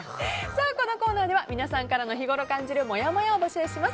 このコーナーでは皆さんからの日ごろ感じるもやもやを募集します。